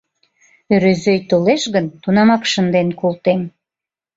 Ӧрӧзӧй толеш гын, тунамак шынден колтем.